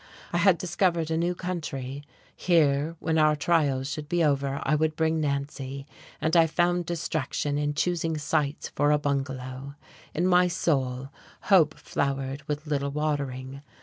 I had discovered a new country; here, when our trials should be over, I would bring Nancy, and I found distraction in choosing sites for a bungalow. In my soul hope flowered with little watering.